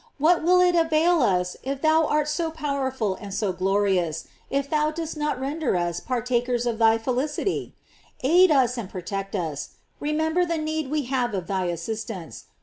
What will it avail us that thou art BO powerful and so glorious, if thou dost not render us partakers of thy felicity ? Aid us and protect us; remember the need we have of thy assistance.